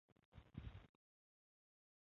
他们也分析出自己所在的位置。